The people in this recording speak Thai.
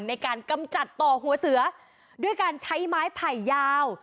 กำจัดต่อหัวเสือด้วยการใช้ไม้ไผ่ยาว